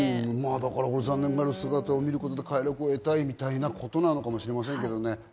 残念がる姿を見ることで、快楽を得たい、みたいなことかもしれませんけどね。